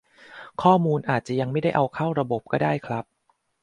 ข้อมูลอาจจะยังไม่ได้เอาเข้าระบบก็ได้ครับ